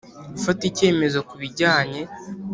Gufata icyemezo ku bijyanye